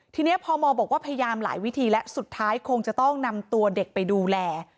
ทีนี้พมบอกว่าพยายามหลายวิธีแล้วสุดท้ายคงจะต้องนำตัวเด็กไปดูแล